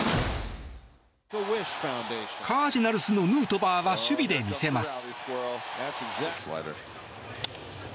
カージナルスのヌートバーは守備で見せます。